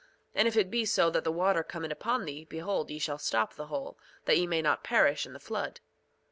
And if it be so that the water come in upon thee, behold, ye shall stop the hole, that ye may not perish in the flood.